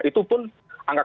itu pun angka kematian